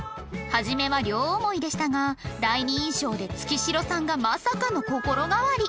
初めは両思いでしたが第二印象で月城さんがまさかの心変わり